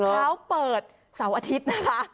เช้าเปิดเสาร์อาทิตย์นะคะ